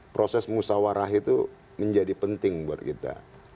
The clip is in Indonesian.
proses musawarah itu menjadi penting buat kita